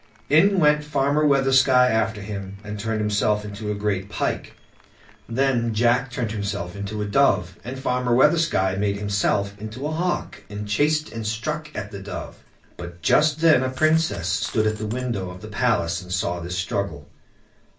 In went Farmer Weathersky after him, and turned himself into a great pike. Then Jack turned himself into a dove, and Farmer Weathersky made himself into a hawk, and chased and struck at the dove. But just then a Princess stood at the window of the palace and saw this struggle.